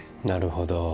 なるほど。